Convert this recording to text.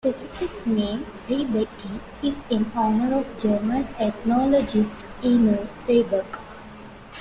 The specific name, "riebeckii", is in honor of German ethnologist Emil Riebeck.